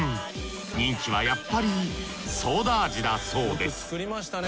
人気はやっぱりソーダ味だそうです